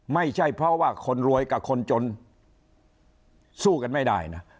ไม่ใช่เพราะว่าคนรวยกับคนจนสู้กันไม่ได้นะ